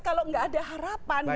kalau tidak ada harapan